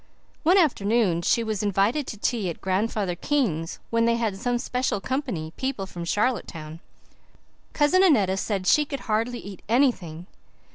One afternoon she was invited to tea at Grandfather King's when they had some special company people from Charlottetown. Cousin Annetta said she could hardly eat anything.